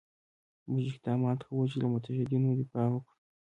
موږ اقدامات کوو چې له متحدینو دفاع وکړو.